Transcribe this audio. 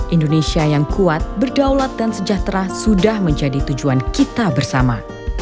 indonesia yang kuat berdaulat dan sejahtera sudah menjadi tujuan kita bersama